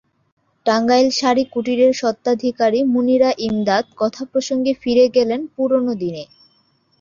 টাঙ্গাইল শাড়ি কুটিরের স্বত্বাধিকারী মুনিরা ইমদাদ কথা প্রসঙ্গে ফিরে গেলেন পুরোনো দিনে।